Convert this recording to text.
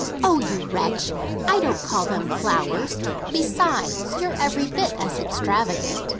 "Oh, you wretch! I don't call them flowers. Besides, you're every bit as extravagant.